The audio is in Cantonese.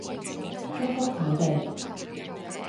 祝福佢哋